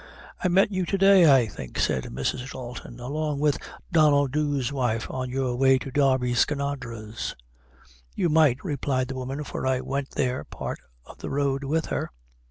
"I met you to day, I think," said Mrs. Dalton, "along with Donnel Dhu's wife on your way to Darby Skinadre's?" "You might," replied the woman; "for I went there part o' the road with her."